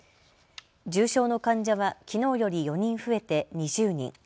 重症の患者はきのうより４人増えて２０人。